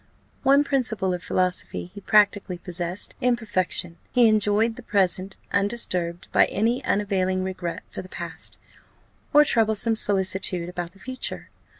One principle of philosophy he practically possessed in perfection; he enjoyed the present, undisturbed by any unavailing regret for the past, or troublesome solicitude about the future.